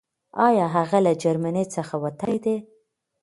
آيا هغه له جرمني څخه وتلی دی؟